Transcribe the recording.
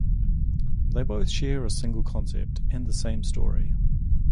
They both share a single concept and the same story.